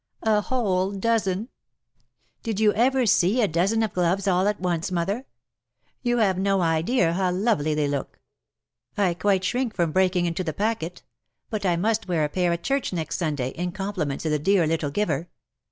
A whole dozen ! Did you ever see a dozen of gloves all at once, mother ? You have no idea how lovely they look. I quite shrink from breaking into the packet ; IN SOCIETY. 1G9 but I must wear a pair at church next Sunday^ in compliment to the dear little giver.